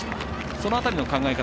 その辺りの考え方